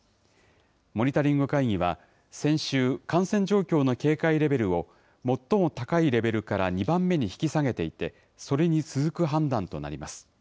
モニタリング会議は、先週、感染状況の警戒レベルを最も高いレベルから２番目に引き下げていて、それに続く判断となります。